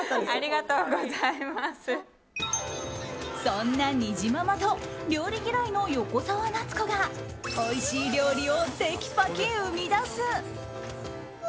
そんな、にじままと料理嫌いの横澤夏子がおいしい料理をテキパキ生み出す。